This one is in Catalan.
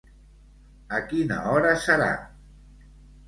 A quina hora serà?